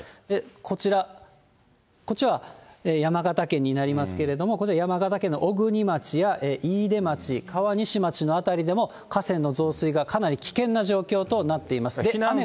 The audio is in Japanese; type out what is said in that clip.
こちら、こっちは山形県になりますけれども、こちら、山形県のおぐに町やいいで町、川西町の辺りでも、河川の増水がかなり危険な状況となっています。